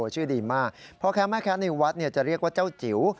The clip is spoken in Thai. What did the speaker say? ชื่อดีมากเพราะแคมป์แคมป์ในวัดจะเรียกว่าเจ้าจิ๋ว